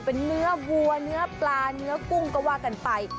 เป็นเนื้อวัวเนื้อปลาเนื้อกุ้งก็ว่ากันไป